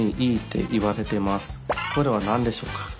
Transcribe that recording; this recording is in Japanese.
これは何でしょうか？